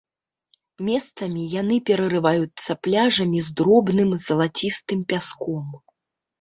Месцамі яны перарываюцца пляжамі з дробным залацістым пяском.